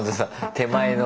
手前の。